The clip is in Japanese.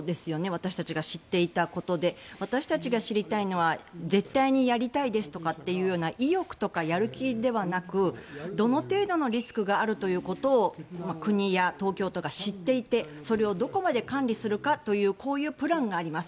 私たちが知っていたことで私たちが知りたいのは絶対にやりたいですとかいうような意欲とかやる気ではなくどの程度のリスクがあるということを、国や東京都が知っていてそれをどこまで管理するかというこういうプランがあります。